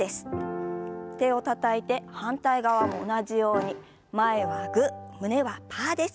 手をたたいて反対側も同じように前はグー胸はパーです。